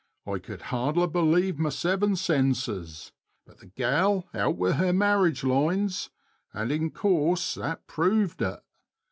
I could hardla believe my saven sensus, but the gal out with har marriage lines, and in course that pruved it.